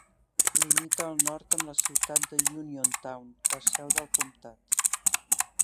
Limita al nord amb la ciutat de Uniontown, la seu del comtat.